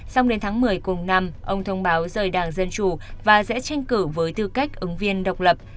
xong đến tháng một mươi cùng năm ông thông báo rời đảng dân chủ và sẽ tranh cử với tư cách ứng viên độc lập